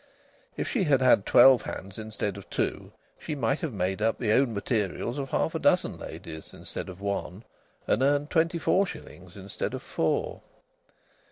If she had had twelve hands instead of two, she might have made up the own materials of half a dozen ladies instead of one, and earned twenty four shillings instead of four.